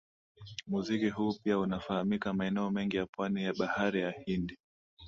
Muziki huu pia unafahamika maeneo mengine ya pwani ya Bahari ya Hindi